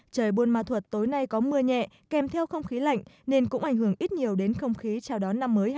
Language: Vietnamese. trời buôn ma thuật tối nay có mưa nhẹ kèm theo không khí lạnh nên cũng ảnh hưởng ít nhiều đến không khí chào đón năm mới hai nghìn hai mươi